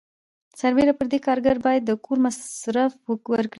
سربیره پر دې کارګر باید د کور مصرف ورکړي.